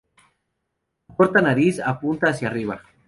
Su corta nariz apunta hacia arriba.